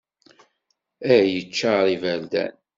Ad yeččar iberdan.